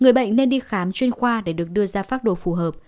người bệnh nên đi khám chuyên khoa để được đưa ra pháp đồ phù hợp